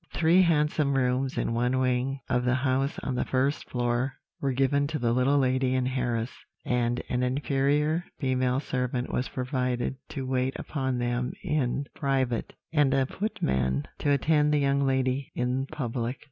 "Three handsome rooms in one wing of the house on the first floor were given to the little lady and Harris; and an inferior female servant was provided to wait upon them in private, and a footman to attend the young lady in public.